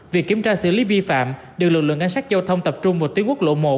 việc kiểm tra xử lý vi phạm được lực lượng an sát giao thông tập trung vào tuyến quốc lộ một